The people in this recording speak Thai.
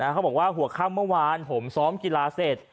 เขาบอกว่าหัวข้ามเมื่อวานผมซ้อมกีฬาเสร็จ